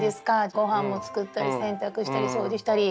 ごはんもつくったり洗濯したり掃除したり。